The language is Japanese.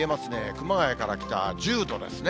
熊谷から北、１０度ですね。